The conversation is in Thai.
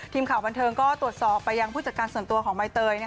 ทีมข่าวบันเทิงก็ตรวจสอบไปยังผู้จัดการส่วนตัวของใบเตย